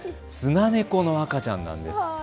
スナネコの赤ちゃんなんです。